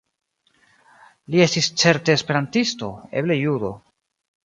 Li estis certe esperantisto, eble judo.